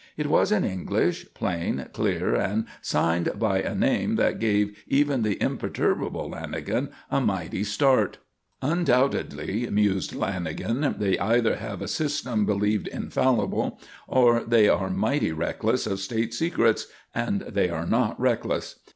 It was in English, plain, clear, and signed by a name that gave even the imperturbable Lanagan a mighty start. "Undoubtedly," mused Lanagan, "they either have a system believed infallible, or they are mighty reckless of State secrets and they are not reckless.